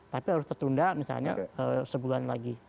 tapi harus tertunda misalnya sebulan lagi